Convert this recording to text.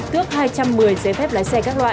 tước hai trăm một mươi giấy phép lái xe các loại